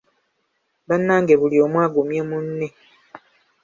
Bannange buli omu agumye munne.